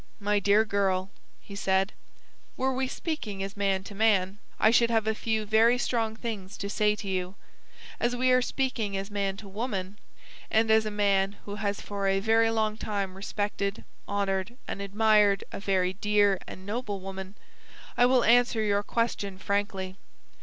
"My dear girl," he said, "were we speaking as man to man, I should have a few very strong things to say to you. As we are speaking as man to woman, and as a man who has for a very long time respected, honoured, and admired a very dear and noble woman, I will answer your question frankly.